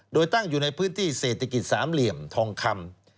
โดยตั้งอยู่ในพื้นที่เศรษฐกิจสามเหลี่ยมทองคำ